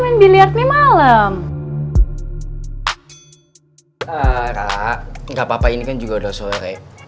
eee kak gapapa ini kan juga udah sore